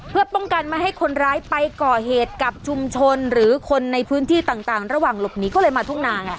เพื่อป้องกันไม่ให้คนร้ายไปก่อเหตุกับชุมชนหรือคนในพื้นที่ต่างระหว่างหลบหนีก็เลยมาทุ่งนาไง